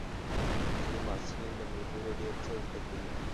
ځینې محصلین له ملګرو ډېر څه زده کوي.